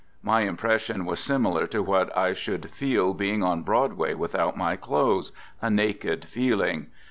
My impression was similar to what I should feel being on Broadway without my clothes — a naked feeling.